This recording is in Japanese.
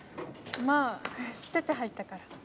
まぁ知ってて入ったから。